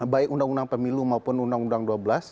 baik undang undang pemilu maupun undang undang dua belas